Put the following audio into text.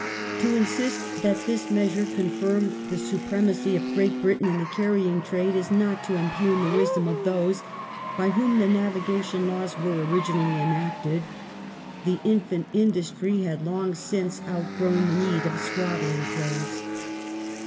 To insist that this measure confirmed the supremacy of Great Britain in the carrying trade is not to impugn the wisdom of those by whom the Navigation Laws were originally enacted ; the infant industry had long since outgrown the need of swaddling clothes.